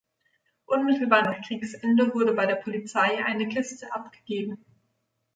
Unmittelbar nach Kriegsende wurde bei der Polizei eine Kiste abgegeben.